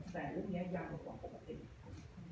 แต่เรื่องนี้ยากกว่าปกติ